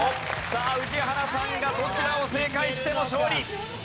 さあ宇治原さんがどちらを正解しても勝利。